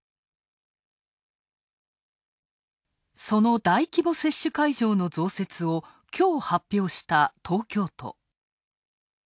その大規模接種会場の増設をきょう発表した東京都。